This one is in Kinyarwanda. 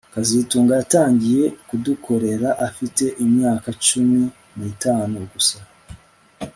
kazitunga yatangiye kudukorera afite imyaka cumi nitatu gusa